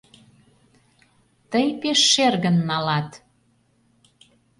— Тый пеш шергын налат...